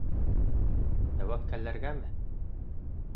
Тәүәккәлләргәме?